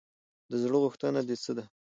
د زړه غوښتنه دې څه ده ؟